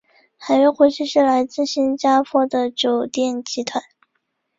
海悦国际是来自新加坡的酒店集团。